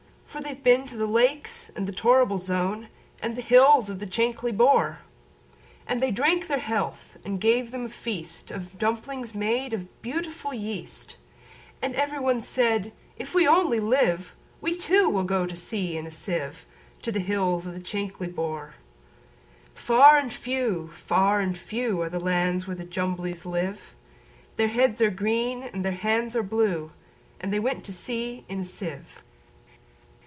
For they've been to the Lakes, and the Torrible Zone, And the hills of the Chankly Bore."And they drank their health, and gave them a feastOf dumplings made of beautiful yeast; And every one said, "If we only live, We, too, will go to sea in a sieve, To the hills of the Chankly Bore."Far and few, far and few, Are the lands where the Jumblies live:Their heads are green, and their hands are blue; And they went to sea in a sieve.